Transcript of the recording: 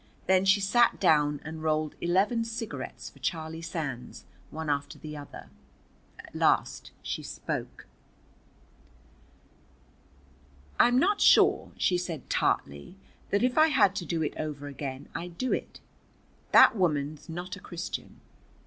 Then she sat down and rolled eleven cigarettes for Charlie Sands, one after the other. At last she spoke. "I'm not sure," she said tartly, "that if I had it to do over again I'd do it. That woman's not a Christian.